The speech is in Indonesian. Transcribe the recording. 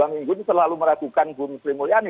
dua minggu ini selalu meragukan bu sri mulyani